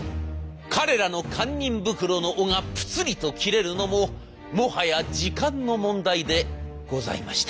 彼らの堪忍袋の緒がぷつりと切れるのももはや時間の問題でございました。